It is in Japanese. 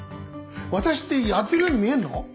私ってやってるように見えんの？